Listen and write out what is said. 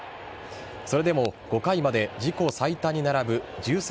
それでも５回まで自己最多に並ぶ１３